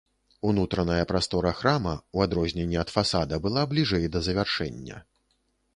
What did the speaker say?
Унутраная прастора храма, у адрозненне ад фасада была бліжэй да завяршэння.